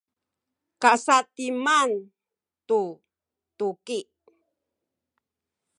kasa’timan tu tuki